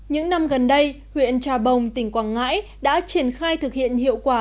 những năm gần đây huyện trà bồng tỉnh quảng ngãi đã triển khai thực hiện hiệu quả